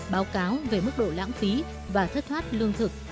báo cáo về mức độ lãng phí và thất thoát lương thực